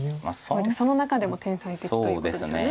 その中でも天才的ということですよね。